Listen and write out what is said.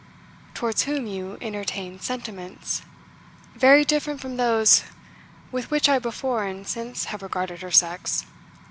"Towards whom you entertained sentiments" "Very different from those with which I before and since have regarded her sex.